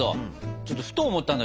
ちょっとふと思ったんだけどさ